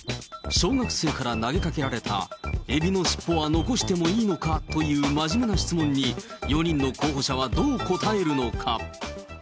小学生から投げかけられたエビの尻尾は残してもいいのか？という真面目な質問に、４人の候補者はどう答えるのか。